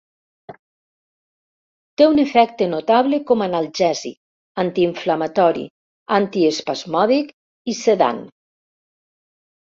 Té un efecte notable com analgèsic, antiinflamatori, antiespasmòdic i sedant.